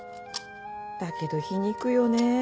だけど皮肉よね。